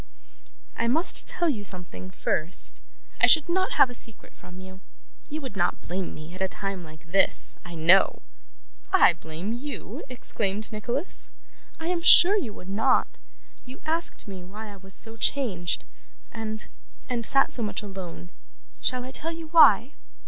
'I must tell you something, first. I should not have a secret from you. You would not blame me, at a time like this, I know.' 'I blame you!' exclaimed Nicholas. 'I am sure you would not. You asked me why I was so changed, and and sat so much alone. Shall I tell you why?